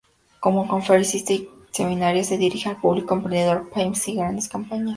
Como conferencista y seminarista se dirige al público emprendedor, pymes y grandes compañías.